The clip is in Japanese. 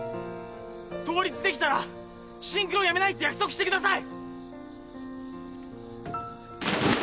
倒立できたらシンクロやめないって約束してください。